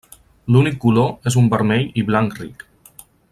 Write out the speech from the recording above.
L'únic color és un vermell i blanc ric.